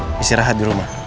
masih rahat di rumah